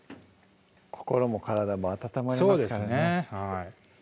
心も体も温まりますからね